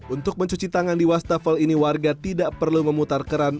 untuk mencuci tangan di wastafel ini warga tidak perlu memutar keran